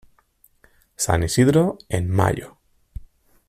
San Isidro en mayo.